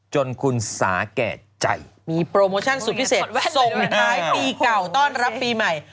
จนคุณสาแก่ใจมีโปรโมชั่นสุดพิเศษส่งท้ายปีเก่าต้อนรับปีใหม่